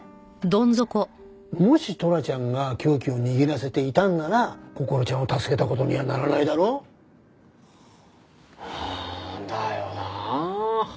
もしトラちゃんが凶器を握らせていたんならこころちゃんを助けた事にはならないだろ？だよなあ。